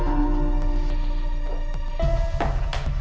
aku mau ke rumah